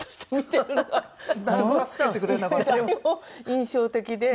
印象的で。